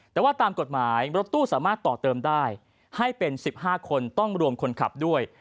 แต่ว่าตามกฎหมายรถตู้สามารถต่อเติมได้ให้เป็น๑๕คนต้องรวมคนขับด้วย